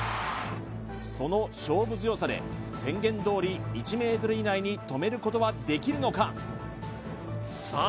その勝負強さで宣言どおり１ｍ以内に止めることはできるのかさあ